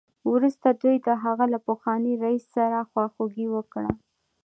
وروسته دوی د هغه له پخواني رییس سره خواخوږي وکړه